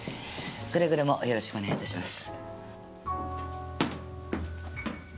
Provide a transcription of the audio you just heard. くれぐれもよろしくお願い致します。